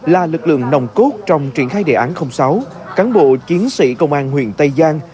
là lực lượng nồng cốt trong triển khai đề án sáu cán bộ chiến sĩ công an huyện tây giang